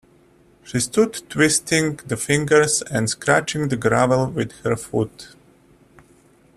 She stood twisting the fingers and scratching the gravel with her foot.